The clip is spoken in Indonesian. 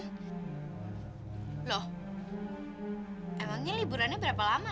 loh emangnya liburannya berapa lama